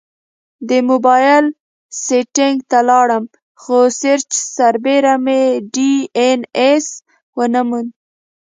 د مبایل سیټینګ ته لاړم، خو سرچ سربیره مې ډي این ایس ونه موند